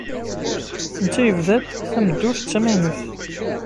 Netta yebda-d tameddurt d tamaynut.